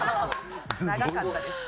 長かったです。